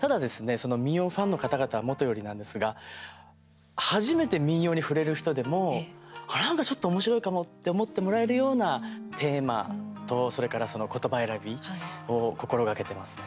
その民謡ファンの方々は元よりなんですが初めて民謡に触れる人でもなんか、ちょっとおもしろいかもって思ってもらえるようなテーマとそれから、言葉選びを心がけてますね。